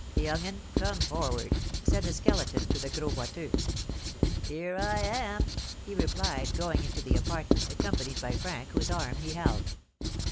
"Young 'un, come forward," said the Skeleton to the Gros Boiteux. "Here I am," he replied, going into the apartment, accompanied by Frank, whose arm he held.